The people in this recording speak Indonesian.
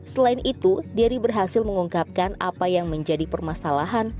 selain itu dery berhasil mengungkapkan apa yang menjadi permasalahan